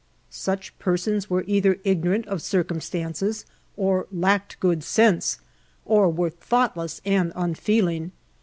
Such persons were either ignorant of circumstances, or lacked good sense, or were thoughtless and unfeeling.